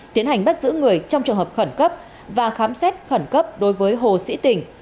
tiến hành bắt giữ người trong trường hợp khẩn cấp và khám xét khẩn cấp đối với hồ sĩ tình